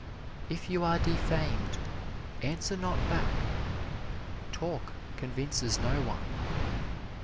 If you are defamed, answer not back. Talk convinces no one.